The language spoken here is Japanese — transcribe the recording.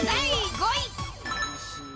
第５位。